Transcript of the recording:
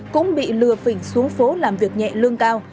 cũng bị lừa phỉnh xuống phố làm việc nhẹ lương cao